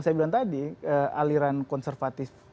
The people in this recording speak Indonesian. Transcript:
saya bilang tadi aliran konservatif